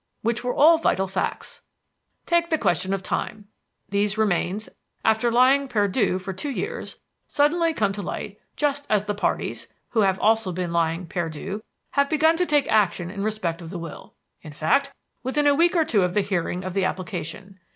Which were all vital facts. Take the question of time. These remains, after lying perdu for two years, suddenly come to light just as the parties who have also been lying perdu have begun to take action in respect of the will; in fact, within a week or two of the hearing of the application.